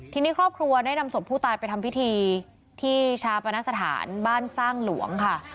ทีนี้ครอบครัวได้นำศพผู้ตายไปทำพิธีที่ชาปนสถานบ้านสร้างหลวงค่ะ